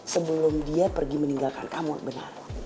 sebelum dia pergi meninggalkan kamu benar